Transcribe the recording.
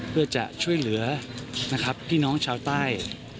เพื่อจะช่วยเหลือพี่น้องชาวใต้